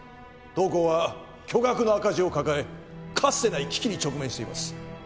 当行は巨額の赤字を抱えかつてない危機に直面しています。